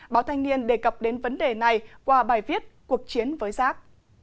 báo thanh niên đề cập đến vấn đề này qua bài viết cuộc chiến với rác